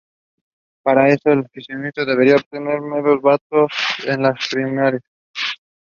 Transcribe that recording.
Additional work has been done by an informal community of users.